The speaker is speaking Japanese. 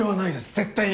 絶対に！